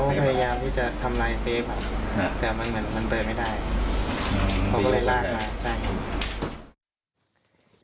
เหมือนเขาพยายามที่จะทำลายเซฟแต่มันเติมไม่ได้เขาก็เลยร้าย